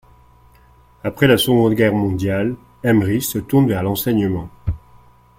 Après la Seconde Guerre mondiale, Emrich se tourne vers l'enseignement.